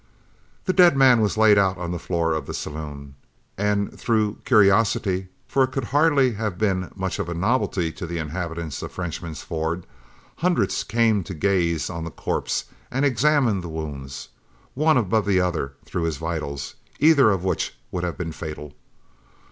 The dead man was laid out on the floor of the saloon; and through curiosity, for it could hardly have been much of a novelty to the inhabitants of Frenchman's Ford, hundreds came to gaze on the corpse and examine the wounds, one above the other through his vitals, either of which would have been fatal.